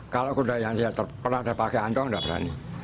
kalau kuda yang pernah saya pakai antoh nggak berani